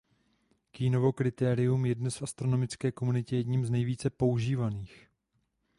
Keenanovo kritérium je dnes v astronomické komunitě jedním z nejvíce používaných.